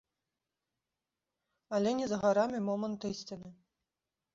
Але не за гарамі момант ісціны.